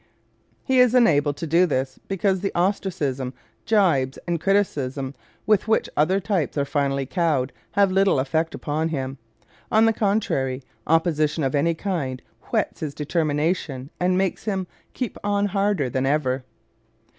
He is enabled to do this because the ostracism, jibes and criticism with which other types are finally cowed, have little effect upon him. On the contrary, opposition of any kind whets his determination and makes him keep on harder than ever.